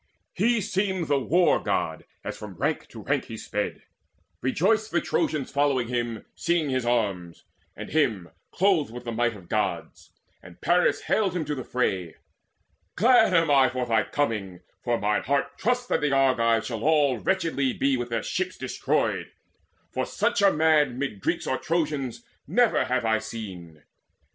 He seemed the War god, as from rank to rank He sped; rejoiced the Trojans following him, Seeing his arms, and him clothed with the might Of Gods; and Paris hailed him to the fray: "Glad am I for thy coming, for mine heart Trusts that the Argives all shall wretchedly Be with their ships destroyed; for such a man Mid Greeks or Trojans never have I seen.